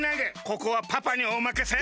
ここはパパにおまかせ！